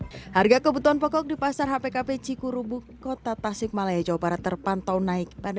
harga kebutuhan pokok di pasar hpkp cikurubuk kota tasik malaya jawa barat terpantau naik pada